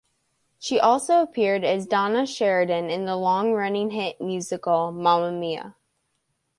She also appeared as Donna Sheridan in the long-running hit musical, "Mamma Mia!".